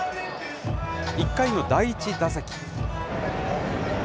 １回の第１打席。